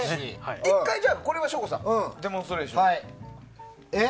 １回、省吾さんデモンストレーション。